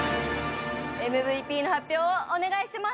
ＭＶＰの発表をお願いします。